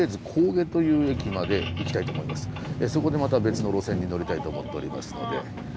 とりあえずそこでまた別の路線に乗りたいと思っておりますので。